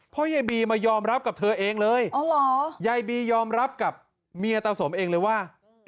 เพราะยายบีมายอมรับกับเธอเองเลยยายบียอมรับกับเมียตาสมเองเลยว่า